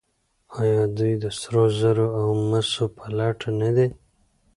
آیا دوی د سرو زرو او مسو په لټه نه دي؟